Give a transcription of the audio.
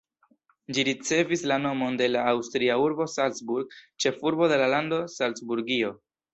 Ĝi ricevis la nomon de la aŭstria urbo Salzburg, ĉefurbo de la lando Salcburgio.